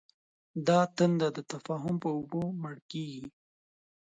دا تنده د تفاهم په اوبو مړ کېږي.